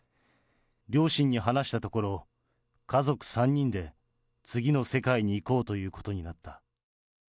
両親に話したところ、家族３人で次の世界に行こうということになった。